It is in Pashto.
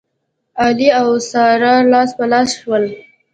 علي او ساره لاس په لاس شول.